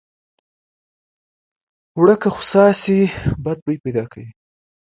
اوړه که خوسا شي بد بوي پیدا کوي